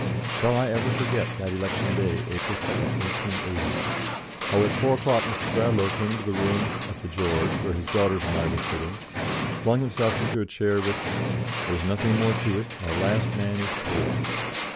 Shall I ever forget that election day, April 2, 1880? How at four o'clock Mr. Bradlaugh came into the room at the "George", where his daughters and I were sitting, flung himself into a chair with, "There's nothing more to do; our last man is polled."